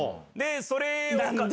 でそれを。